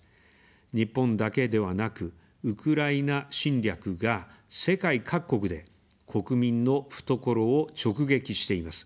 日本だけではなく、ウクライナ侵略が世界各国で国民の懐を直撃しています。